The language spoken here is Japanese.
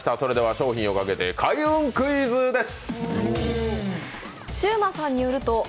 商品をかけて開運クイズです。